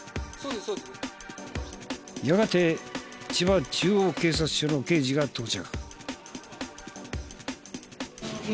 やがて千葉中央警察署の刑事が到着。